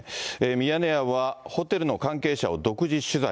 ミヤネ屋はホテルの関係者を独自取材。